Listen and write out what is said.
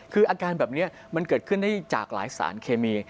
คืออาการแบบนี้มันเกิดขึ้นได้จากหลายสารเคมี